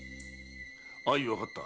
相わかった。